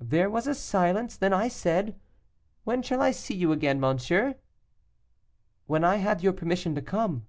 There was a silence. Then I said, 'When shall I see you again, monsieur?' 'When I have your permission to come.